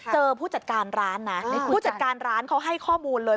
ผู้จัดการร้านนะผู้จัดการร้านเขาให้ข้อมูลเลย